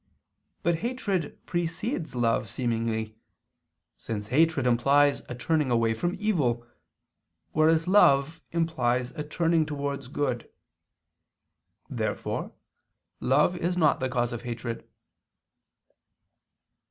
But hatred precedes love, seemingly: since hatred implies a turning away from evil, whereas love implies a turning towards good. Therefore love is not the cause of hatred.